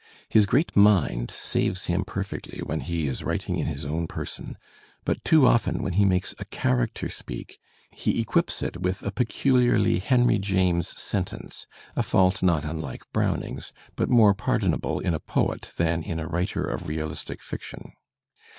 His great mind saves him perfectly when he is writing in his own per son; but too often when he makes a character speak, he equips it with a pecuUarly Henry James sentence, a fault not unlike Browning's, but more pardonable in a poet than in a writer of realistic fiction.